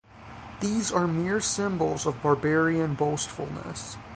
These are mere symbols of barbarian boastfulness.